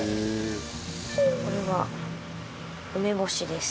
これは、梅干しです。